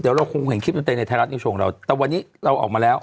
เดี๋ยวเราคงเห็นคลิปดนตรีในไทยรัฐนิวโชว์เราแต่วันนี้เราออกมาแล้ว